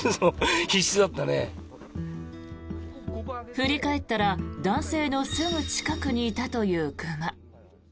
振り返ったら男性のすぐ近くにいたという熊。